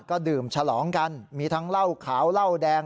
ก็ดื่มฉลองกันมีทั้งเหล้าขาวเหล้าแดง